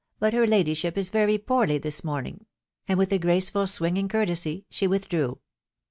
..* But her kdjahrp is wery poetly this aooroing," and wl#i a graceful ewinging courtesy, she withdrew.